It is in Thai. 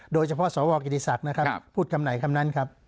โดยเฉพาะสวกิติศักดิ์นะครับพูดคำไหนคำนั้นครับ